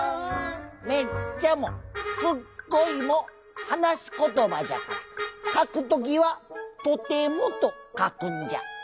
「めっちゃ」も「すっごい」もはなしことばじゃからかくときは「とても」とかくんじゃ。